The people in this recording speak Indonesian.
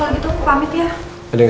buat aku dengan